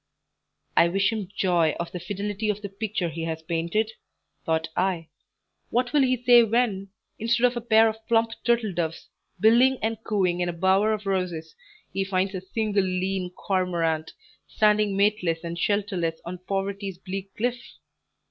"I wish him joy of the fidelity of the picture he has painted," thought I. "What will he say when, instead of a pair of plump turtle doves, billing and cooing in a bower of roses, he finds a single lean cormorant, standing mateless and shelterless on poverty's bleak cliff?